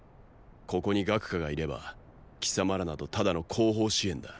ここに楽華がいれば貴様らなどただの後方支援だ。